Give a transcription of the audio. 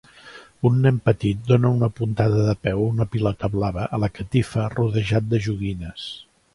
Un nen petit dóna una puntada de peu a una pilota blava a la catifa rodejat de joguines.